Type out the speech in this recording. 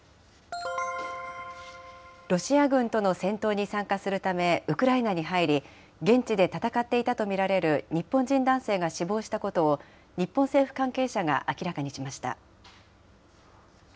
ロシア軍との戦闘に参加するためウクライナに入り、現地で戦っていたと見られる日本人男性が死亡したことを、日本政府関係者が明らかにしました。